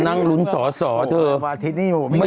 แล้วว่าอาทิตย์นี่ไม่อยู่ก่อน